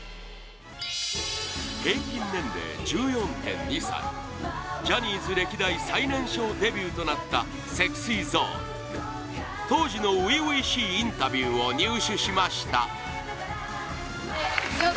平均年齢１４．２歳ジャニーズ歴代最年少デビューとなったＳｅｘｙＺｏｎｅ当時の初々しいインタビューを入手しました